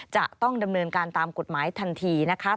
จะต้องดำเนินการตามกฎหมายทันทีนะคะ